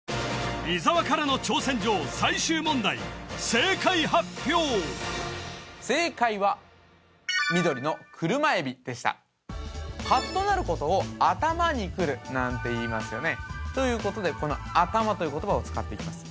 正解発表正解は緑のクルマエビでしたカッとなることを頭にくるなんていいますよねということでこの「頭」という言葉を使っていきます